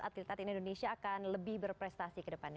atlet atlet indonesia akan lebih berprestasi ke depannya